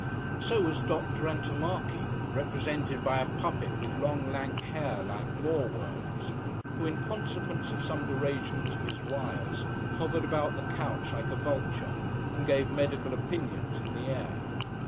So was Dr. Antommarchi, represented by a puppet with long lank hair, like Mawworm's, who, in consequence of some derangement of his wires, hovered about the couch like a vulture, and gave medical opinions in the air.